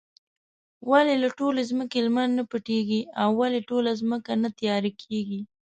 ولې له ټولې ځمکې لمر نۀ پټيږي؟ او ولې ټوله ځمکه نه تياره کيږي؟